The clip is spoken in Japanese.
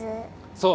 そう！